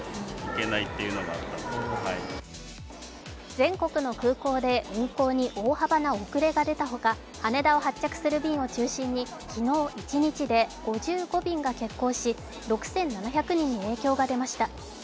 全国の空港で運航に大幅な遅れが出たほか、羽田を発着する便を中心に昨日一日で５５便が欠航し６７００人に影響が出ました。